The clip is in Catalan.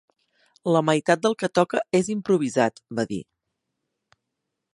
La meitat del que toca és improvisat, va dir.